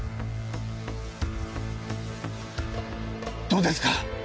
どうですか？